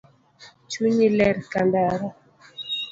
Chunyi ler kandara